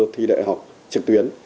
thi đại học trực tuyến